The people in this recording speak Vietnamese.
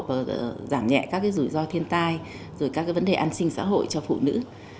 và giảm nhẹ các rủi ro thiên tai các vấn đề an sinh xã hội cho phụ nữ